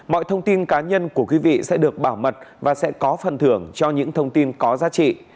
mọi thông tin cá nhân của quý vị sẽ được bảo mật và sẽ có phần thưởng cho những thông tin có giá trị